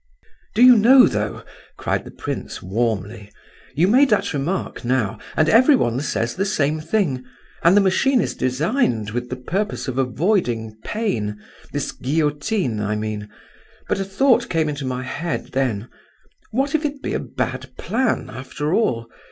"Do you know, though," cried the prince warmly, "you made that remark now, and everyone says the same thing, and the machine is designed with the purpose of avoiding pain, this guillotine I mean; but a thought came into my head then: what if it be a bad plan after all?